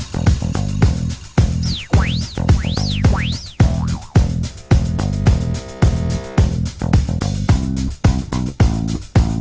โปรดติดตามตอนต่อไป